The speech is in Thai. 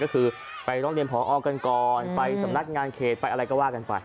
ก็คือไปร้องเรียนพอกันก่อนไปสำนักงานเขตไปอะไรก็ว่ากันไป